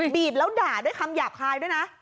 บีบแล้วด่าด้วยคำหยาบคายด้วยนะ